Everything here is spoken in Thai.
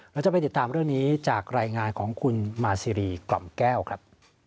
เราจะไปติดตามเรื่องนี้จากรายงานของคุณมาซีรีกล่อมแก้วครับ